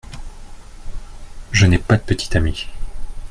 Je n’ai pas de petit ami.